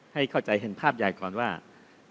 ให้เข้าใจเห็นภาพใหญ่ก่อนว่า